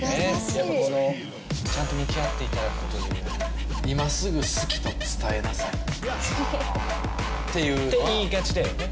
やっぱこのちゃんと向き合っていただくという「今すぐ好きと伝えなさい」っていうって言いがちだよね